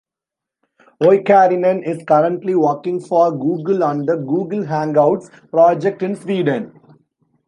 Oikarinen is currently working for Google on the Google Hangouts project in Sweden.